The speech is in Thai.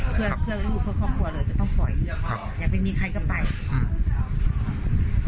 เพื่อเพื่อลูกเพื่อครอบครัวเลยจะต้องปล่อยอย่าไปมีใครก็ไปอ่า